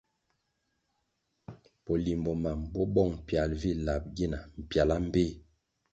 Bolimbo mam bo bong pial vi lab gina mpiala mbpéh.